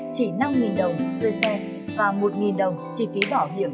chỉ năm đồng thuê xe và một đồng chi phí bỏ điểm